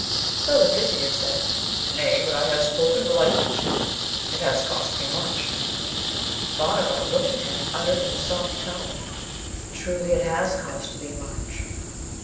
So the Vizier said, 'Nay, what I have spoken will I keep to; it has cost me much.' Bhanavar looked at him, and uttered in a soft tone, 'Truly it has cost thee much.'